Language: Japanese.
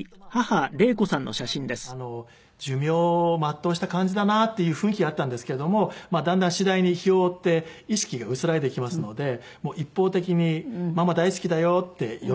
ちょっとまあ本当にこれは寿命を全うした感じだなっていう雰囲気があったんですけれどもだんだん次第に日を追って意識が薄らいできますので一方的に「ママ大好きだよ」って呼びかける。